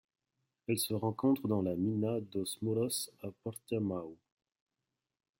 Elle se rencontre dans la Mina dos Mouros à Portimão.